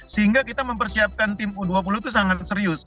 sehingga kita mempersiapkan tim u dua puluh itu sangat serius